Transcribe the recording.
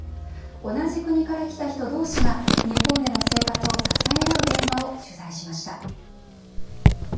同じ国から来た人同士が日本での生活を支え合う現場を取材しました。